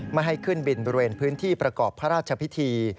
ไม่ให้ขึ้นบินบริเวณพื้นที่ประกอบพระราชพิธี